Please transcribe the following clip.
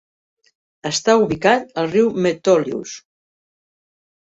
Està ubicat al riu Metolius.